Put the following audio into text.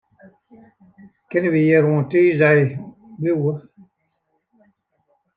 Kinne wy hjir oant tiisdei bliuwe?